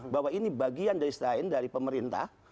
bahwa ini bagian dari selain dari pemerintah